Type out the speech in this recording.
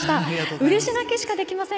うれし泣きしかできません。